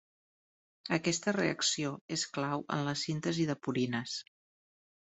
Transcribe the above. Aquesta reacció és clau en la síntesi de purines.